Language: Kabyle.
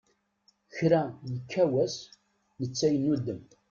Kra yekka wass netta yennudem.